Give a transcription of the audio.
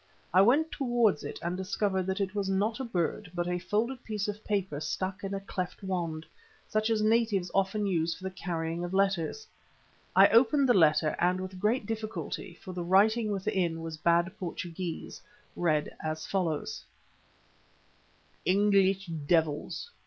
I went towards it and discovered that it was not a bird but a folded piece of paper stuck in a cleft wand, such as natives often use for the carrying of letters. I opened the paper and with great difficulty, for the writing within was bad Portuguese, read as follows: "English Devils.